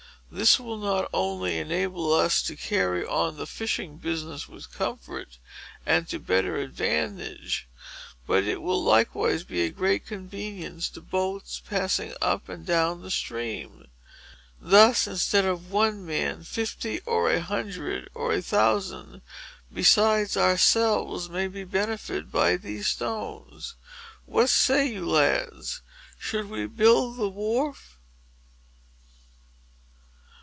This will not only enable us to carry on the fishing business with comfort, and to better advantage, but it will likewise be a great convenience to boats passing up and down the stream. Thus, instead of one man, fifty, or a hundred, or a thousand, besides ourselves, may be benefited by these stones. What say you, lads?—shall we build the wharf?"